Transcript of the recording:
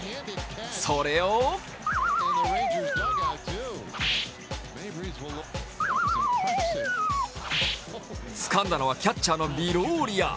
それをつかんだのはキャッチャーのビローリア。